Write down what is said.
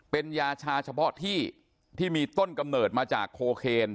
เป็นยาชาเฉพาะที่ที่มีต้นกำเนิดมาจากโคเคน